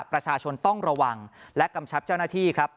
ประชาชนต้องระวังและกำชับเจ้าหน้าที่ครับ